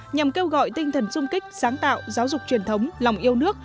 nhằm kêu gọi tinh thần sung kích sáng tạo giáo dục truyền thống lòng yêu nước